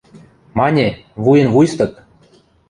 Мане, вуйын-вуйстык!